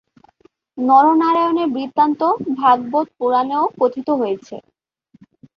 নর-নারায়ণের বৃত্তান্ত "ভাগবত পুরাণ"-এও কথিত হয়েছে।